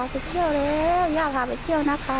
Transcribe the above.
ลองไปดูบรรยากาศช่วงนั้นนะคะ